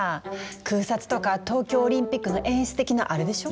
空撮とか東京オリンピックの演出的なアレでしょう？